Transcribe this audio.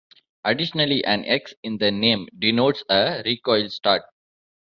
Additionally, an X in the name denotes a recoil start.